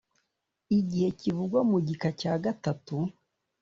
igihe kivugwa mu gika cya gatatu.